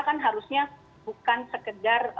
kan harusnya bukan sekedar